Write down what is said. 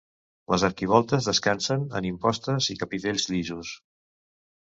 Les arquivoltes descansen en impostes i capitells llisos.